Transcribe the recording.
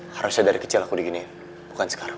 harusnya dari kecil aku diginiin bukan sekarang